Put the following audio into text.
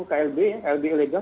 klb ya klb ilegal